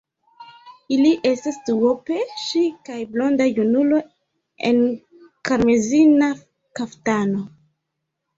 Ili estas duope: ŝi kaj blonda junulo en karmezina kaftano.